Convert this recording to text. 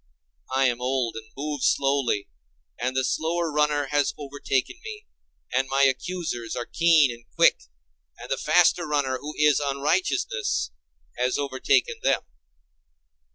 I am old and move slowly, and the slower runner has overtaken me, and my accusers are keen and quick, and the faster runner, who is unrighteousness, has overtaken them.